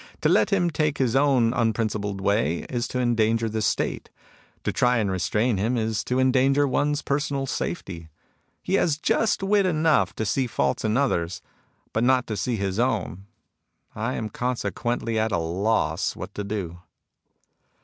To let him take his own unprincipled way is to endanger the State. To try to restrain him is to endanger one's personal safety. He has just wit enough to see faults in others, but not to see his own. I am consequently at a loss what to do."